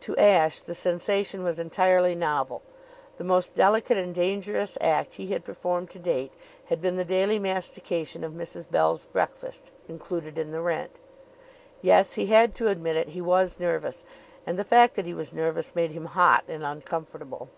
To Ashe the sensation was entirely novel. The most delicate and dangerous act he had performed to date had been the daily mastication of Mrs. Bell's breakfast included in the rent. Yes, he had to admit it he was nervous: and the fact that he was nervous made him hot and uncomfortable.